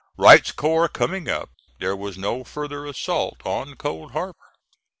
Wright's corps coming up, there was no further assault on Cold Harbor.